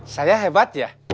saya hebat ya